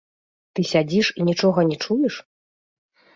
Ты сядзіш і нічога не чуеш?